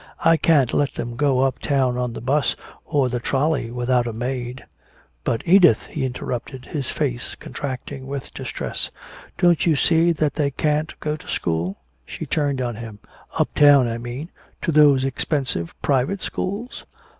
I can't let them go way uptown on the 'bus or the trolley without a maid " "But, Edith!" he interrupted, his face contracting with distress. "Don't you see that they can't go to school?" She turned on him. "Uptown, I mean, to those expensive private schools."